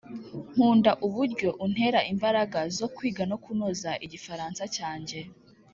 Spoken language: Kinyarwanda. nkunda uburyo untera imbaraga zo kwiga no kunoza igifaransa cyanjye